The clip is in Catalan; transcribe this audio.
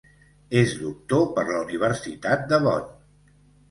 És doctor per la Universitat de Bonn.